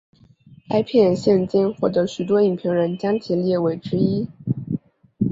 该片现今获得许多影评人将其列为之一。